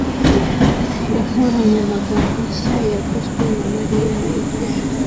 Inkoranyamagambo nshya yaguzwe na Mariya na Yohana